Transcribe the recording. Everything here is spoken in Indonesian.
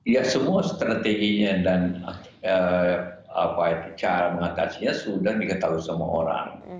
ya semua strateginya dan cara mengatasinya sudah diketahui sama orang